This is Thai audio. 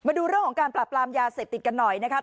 มาดูเรื่องของการปราบปรามยาเสพติดกันหน่อยนะครับ